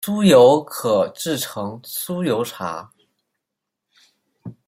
酥油可制成酥油茶。